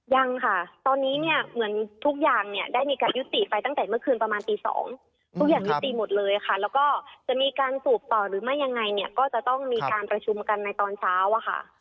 ยังค่ะตอนนี้เนี่ยเหมือนทุกอย่างเนี่ยได้มีการยุติไปตั้งแต่เมื่อคืนประมาณตี๒ทุกอย่างยุติหมดเลยค่ะแล้วก็จะมีการสูบต่อหรือไม่ยังไงเนี่ยก็จะต้องมีการประชุมกันในตอนเช้าอะค่ะ